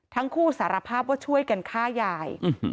ทั้งคู่สารภาพว่าช่วยกันฆ่ายาย